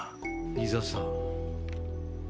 飯沢さん。